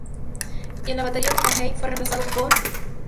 Y el batería Mahoney fue reemplazado por Harrison Haynes.